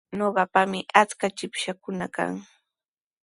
Ñuqapami achka chipshaakuna kan.